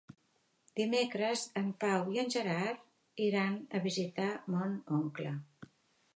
Dimecres en Pau i en Gerard aniran a visitar mon oncle.